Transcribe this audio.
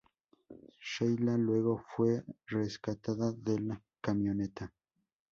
Sheila luego fue rescatada de la camioneta.